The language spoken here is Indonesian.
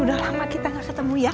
udah lama kita gak ketemu ya